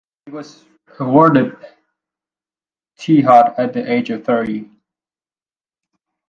He was awarded ijtihad at the age of thirty.